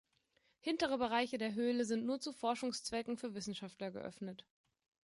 Hintere Bereiche der Höhle sind nur zu Forschungszwecken für Wissenschaftler geöffnet.